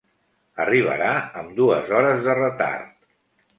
Arribarà amb dues hores de retard.